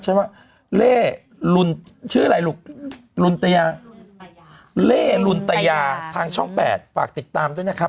ว่าเล่ลุนชื่ออะไรลูกลุนตยาเล่ลุนตยาทางช่อง๘ฝากติดตามด้วยนะครับ